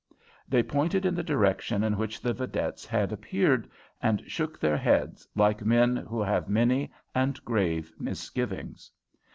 They pointed in the direction in which the vedettes had appeared, and shook their heads like men who have many and grave misgivings.